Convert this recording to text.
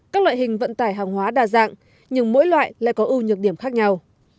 các loại hình vận tải hàng hóa đa dạng nhưng mỗi loại lại có ưu nhược điểm khác nhau